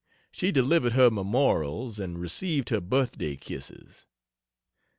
She delivered her memorials and received her birth day kisses.